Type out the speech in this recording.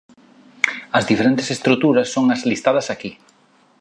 As diferentes estruturas son as listadas aquí.